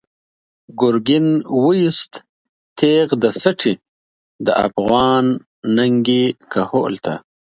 “گرگین” ویوست تیغ د سټی، د افغان ننگی کهول ته